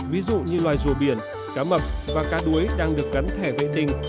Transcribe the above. ví dụ như loài rùa biển cá mập và cá đuối đang được cắn thẻ vệ tinh